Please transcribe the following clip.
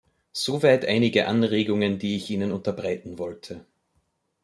Soweit einige Anregungen, die ich Ihnen unterbreiten wollte.